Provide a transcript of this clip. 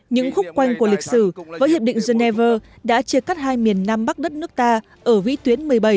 những khúc quanh của lịch sử với hiệp định geneva đã chia cắt hai miền nam bắc đất nước ta ở vĩ tuyến một mươi bảy